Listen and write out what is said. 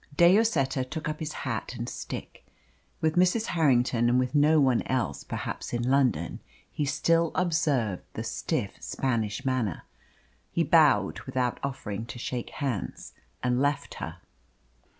De Lloseta took up his hat and stick. With Mrs. Harrington, and with no one else perhaps in London, he still observed the stiff Spanish manner. He bowed without offering to shake hands, and left her.